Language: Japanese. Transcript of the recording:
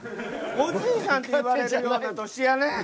おじいさんって言われるような年やねん。